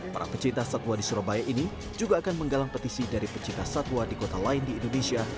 para pecinta satwa di surabaya ini juga akan menggalang petisi dari pecinta satwa di kota lain di indonesia